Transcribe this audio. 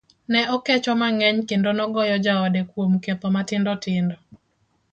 ne okecho mang'eny kendo nogoyo jaode kuom ketho matindo tindo